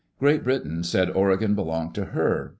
Great Britain said Oregon belonged to her.